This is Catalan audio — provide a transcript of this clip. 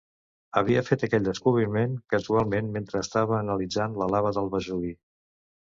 Havia fet aquell descobriment casualment mentre estava analitzant la lava del Vesuvi.